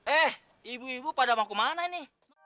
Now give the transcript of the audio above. eh ibu ibu pada mau kemana nih